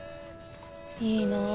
いいなあ。